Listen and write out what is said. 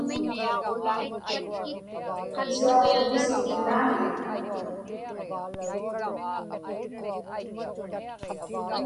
Pisuaġuuvisik uvlaami?